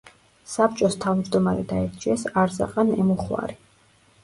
საბჭოს თავჯდომარედ აირჩიეს არზაყან ემუხვარი.